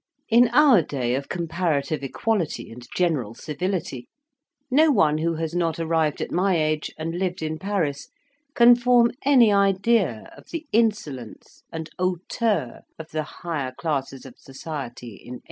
In our day of comparative equality and general civility, no one who has not arrived at my age, and lived in Paris, can form any idea of the insolence and hauteur of the higher classes of society in 1815.